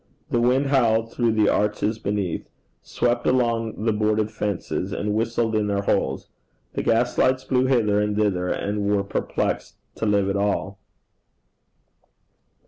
The wind howled through the arches beneath, swept along the boarded fences, and whistled in their holes. The gas lights blew hither and thither, and were perplexed to live at all.